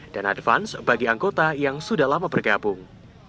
dan advance bagi anggota yang sudah bergabung